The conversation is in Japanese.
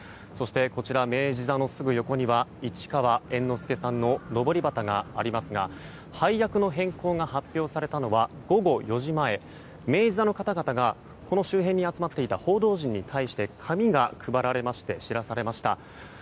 こちら、明治座のすぐ横には市川猿之助さんののぼり旗がありますが配役の変更が発表されたのは午後４時前明治座の方々からこの周辺に集まっていた報道陣に対して紙が配られまして知らされました。